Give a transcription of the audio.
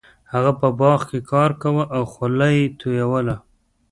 هغه په باغ کې کار کاوه او خوله یې تویوله.